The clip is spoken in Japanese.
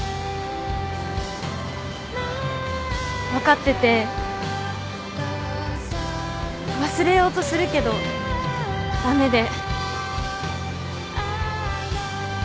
分かってて忘れようとするけど駄目で。